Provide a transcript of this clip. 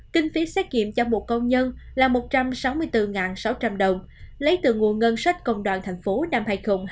kinh phí xét nghiệm cho một công nhân là một trăm sáu mươi bốn sáu trăm linh đồng lấy từ nguồn ngân sách công đoàn thành phố năm hai nghìn hai mươi hai